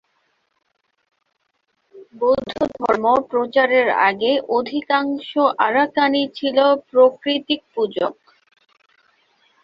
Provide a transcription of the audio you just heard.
বৌদ্ধধর্ম প্রচারের আগে অধিকাংশ আরাকানি ছিল প্রকৃতি পূজক।